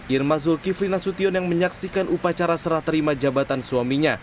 irma zulkifli nasution yang menyaksikan upacara seraterima jabatan suaminya